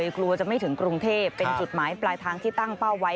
กลัวจะไม่ถึงกรุงเทพเป็นจุดหมายปลายทางที่ตั้งเป้าไว้